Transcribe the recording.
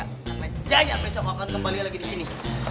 karena jaya besok akan kembali lagi disini